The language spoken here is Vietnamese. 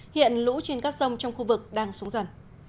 hiện lũ trên các sông trong khu vực đang xuống dần